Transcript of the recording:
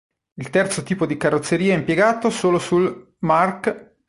Il terzo tipo di carrozzeria impiegato solo sul Mk.